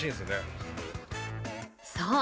そう！